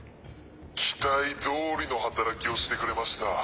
期待通りの働きをしてくれました。